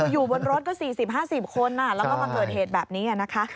อยู่บนรถก็๔๐๕๐คนแล้วก็มาเกิดเหตุแบบนี้นะคะ